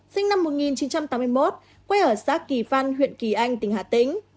sinh năm một nghìn chín trăm tám mươi một quê ở xã kỳ phan huyện kỳ anh tỉnh hà tĩnh